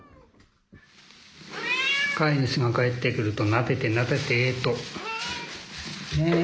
飼い主が帰ってくるとなでてなでてとね！